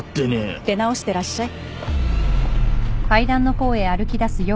出直してらっしゃい。